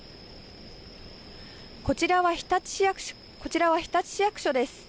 こちらは日立市役所です。